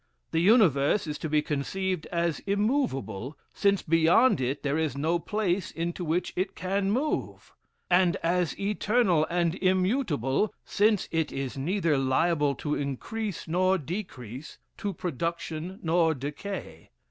The universe is to be conceived as immoveable, since beyond it there is no place into which it can move; and as eternal and immutable, since it is neither liable to increase nor decrease, to production nor decay.